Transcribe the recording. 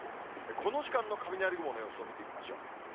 この時間の雷雲の様子を見ていきましょう。